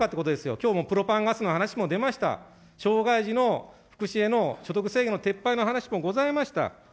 きょうもプロパンガスの話も出ました、障害児の福祉への所得制限の撤廃の話もございました。